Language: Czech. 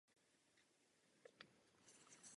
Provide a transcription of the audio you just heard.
Máme důvody říci, že bychom měli vypracovat proces od píky.